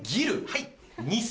はい。